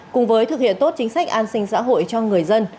cùng với thực hiện tốt chính sách an sinh xã hội cho người dân